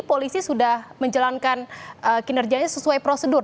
polisi sudah menjalankan kinerjanya sesuai prosedur